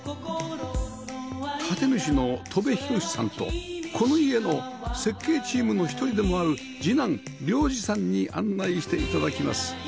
建主の戸邉寛さんとこの家の設計チームの一人でもある次男亮司さんに案内して頂きます